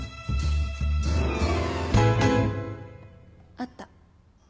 ．あった。